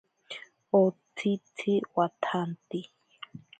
Otsitzi watsanti.